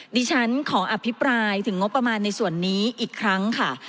ดิฉันขออภิปรายถึงงบประมาณในส่วนนี้อีกครั้งค่ะ